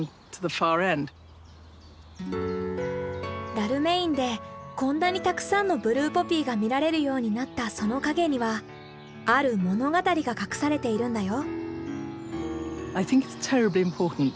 ダルメインでこんなにたくさんのブルーポピーが見られるようになったその陰にはある物語が隠されているんだよ。